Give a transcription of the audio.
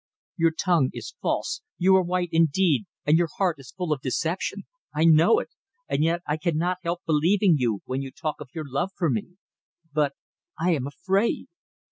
Your tongue is false. You are white indeed, and your heart is full of deception. I know it. And yet I cannot help believing you when you talk of your love for me. But I am afraid!"